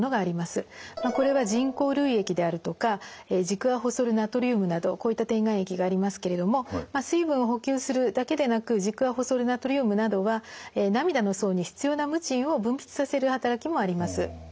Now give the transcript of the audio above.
これは人工涙液であるとかジクアホソルナトリウムなどこういった点眼液がありますけれども水分を補給するだけでなくジクアホソルナトリウムなどは涙の層に必要なムチンを分泌させる働きもあります。